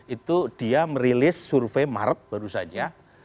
itu dia merilis survei maret baru saja